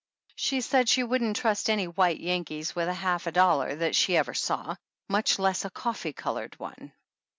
She said she wouldn't trust any white Yankee with a half a dollar that she ever saw, much less a coffee colored one.